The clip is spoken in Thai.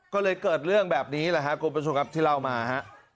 ก็เลยเกิดเรื่องแบบนี้แหละครับคุณผู้ชมครับที่เล่ามาฮะ